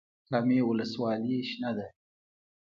کامې ولسوالۍ شنه ده؟